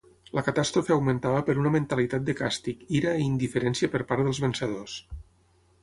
La catàstrofe augmentava per una mentalitat de càstig, ira i indiferència per part dels vencedors.